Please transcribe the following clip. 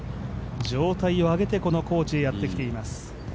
状態を上げてここの高知へやってきています。